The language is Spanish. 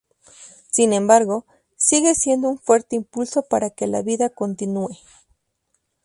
Sin embargo, sigue siendo un fuerte impulso para que la vida continúe.